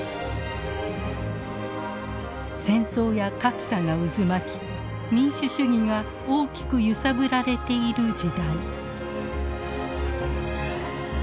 戦争や格差が渦巻き民主主義が大きく揺さぶられている時代。